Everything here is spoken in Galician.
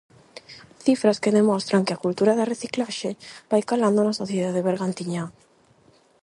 Cifras que demostran que a cultura da reciclaxe vai calando na sociedade bergantiñá.